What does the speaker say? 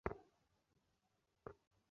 আমরা লড়াইয়ের জন্য প্রস্তুত।